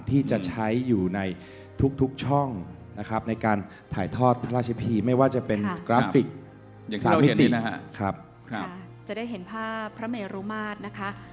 ที่จะใช้อยู่ในทุกช่องนะครับในการถ่ายทอดพระราชพิธีไม่ว่าจะเป็นกราฟิกอย่างที่เห็นนะครับจะได้เห็นภาพพระเมรุมาตรนะคะ